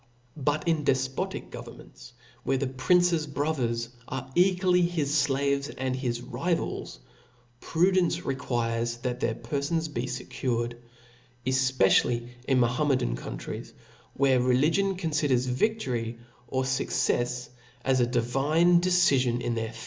But in defpotic governments, where the prince's brothers are equally his flaves and his rivals, pru ,, dence requires chat their perfons be fccured ; efpe ^ daily in Mahometan countries, where religion confi . dcrs victory or fuccefs as a divine decifion in their